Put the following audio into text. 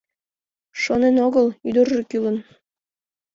Шонен огыл ӱдыржӧ кӱлын.